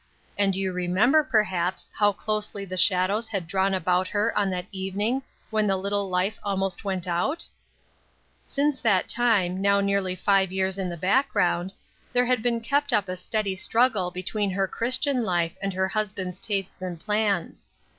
And you remember, perhaps, how closely the shadows had drawn about her on that evening when the little life almost went out ? Since that time, now nearly five years in the background, there had been kept up a steady struggle between her Christian life and her hus band's tastes and plans.